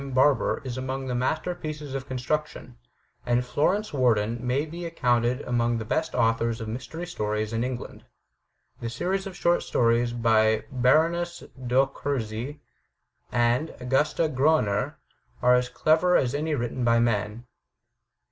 Barbour, is among the master pieces of construction, and Florence Warden may be ac coimted among the best authors of mystery stories in Eng land. The series of short stories by Baroness d'Orczy, and Augusta Groner, are as clever as any written by men.